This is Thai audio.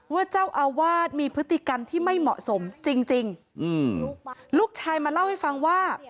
ว่าเจ้าอาวาสมีพฤติกรรมที่ไม่เหมาะสมจริงจริงอืมลูกชายมาเล่าให้ฟังว่า